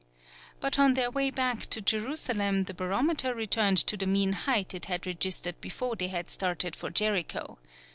But on their way back to Jerusalem the barometer returned to the mean height it had registered before they started for Jericho.